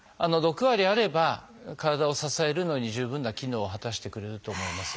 ６割あれば体を支えるのに十分な機能を果たしてくれると思います。